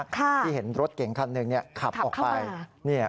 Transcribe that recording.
ที่เห็นรถเก๋งคันหนึ่งขับออกไป